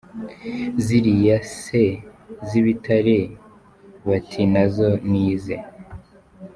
Ziriya se z’ibitare? Bati “Nazo ni ize” .